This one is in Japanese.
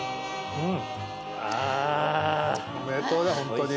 うん。